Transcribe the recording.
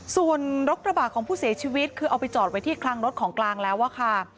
ส่วนรถกระบะของผู้เสียชีวิตคือเอาไปจอดไว้ที่คลังรถของกลางแล้วอะค่ะ